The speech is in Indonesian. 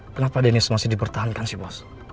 kenapa dennis masih dipertahankan sih mas